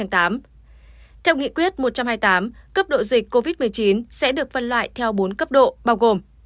theo nghị quyết một trăm hai mươi tám cấp độ dịch covid một mươi chín sẽ được phân loại theo bốn cấp độ bao gồm